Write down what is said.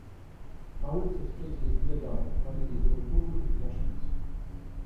На улице встретились две дамы, поклонились друг другу и разошлись.